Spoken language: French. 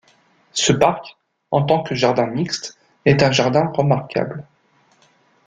Ce parc, en tant que jardin mixte, est un jardin remarquable.